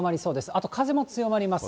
あと風も強まります。